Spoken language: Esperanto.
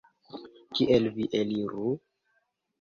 Kiel vi eliru?